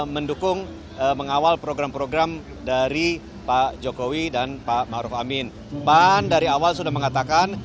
mendukung mengawal program program dari pak jokowi dan pak maruf amin pan dari awal sudah mengatakan